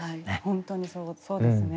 本当にそうですね。